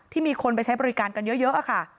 มีคนไปใช้บริการกันเยอะค่ะ